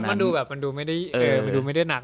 อันพอร์ตมันดูไม่ได้หนักมาก